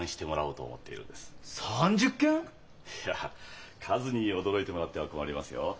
いや数に驚いてもらっては困りますよ。